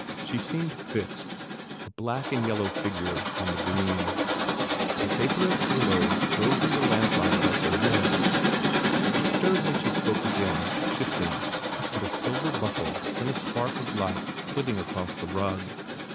She seemed fixed, a black and yellow figure on the green. A vaporous halo rose in the lamplight above her head. He stirred when she spoke again, shifting, and a silver buckle sent a spark of light flitting across the rug.